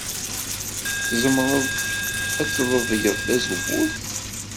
Tzemreḍ ad tledyeḍ tazewwut?